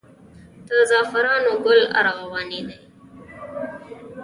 د زعفرانو ګل ارغواني دی